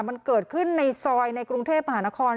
มันเกิดขึ้นในซอยในกรุงเทพมหานคร